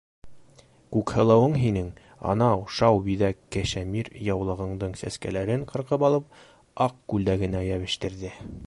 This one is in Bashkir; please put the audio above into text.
Күкһылыуың һинең анау шау биҙәк кешәмир яулығыңдың сәскәләрен ҡырҡып алып, аҡ күлдәгенә йәбештерҙе!